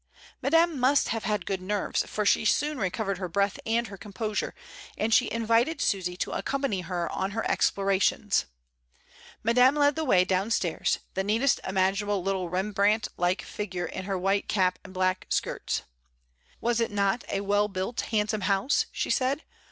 Madame must have had good nerves, for she soon recovered her breath and her composure, and she invited Susy to accompany her on her explora tions. Madame led the way downstairs, the neatest imaginable little Rembrandt like figure in her white 76 MRS. DYMOND. cap and black skirts. "Was it not a well built handsome house?" she said.